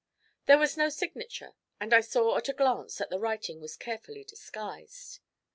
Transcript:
There was no signature, and I saw at a glance that the writing was carefully disguised.